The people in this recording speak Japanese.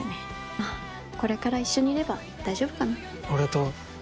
まあ、これから一緒にいれば大丈夫かな。